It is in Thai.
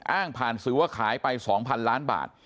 อ้างผ่านสื่อว่าขายไป๒๐๐๐ล้านบาท